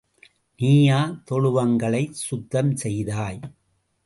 நீயா தொழுவங்களைச் சுத்தம் செய்தாய்?